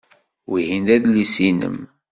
Wihin d adlis-nnem?